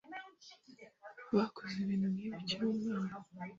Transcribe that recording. Bakoze ibintu nkibi ukiri umwana?